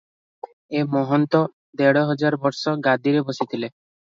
ଏ ମହନ୍ତ ଦେଢ଼ ହଜାର ବର୍ଷ ଗାଦିରେ ବସିଥିଲେ ।